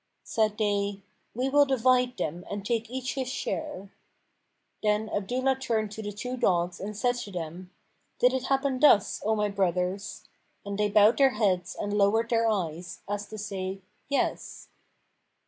Said they, 'We will divide them and take each his share.'" (Then Abdullah turned to the two dogs and said to them, "Did it happen thus, O my brothers?"; and they bowed their heads and lowered their eyes, as to say, "Yes.")